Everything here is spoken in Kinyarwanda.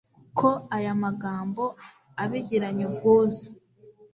ko aya magambo, abigiranye ubwuzu